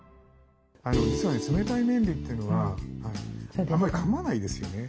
実はね冷たい麺類というのはあんまりかまないですよね。